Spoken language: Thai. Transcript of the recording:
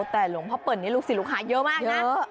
แต่หลวงพ่อเปิ่นนี่ลูกศิษย์ลูกค้าเยอะมากนะ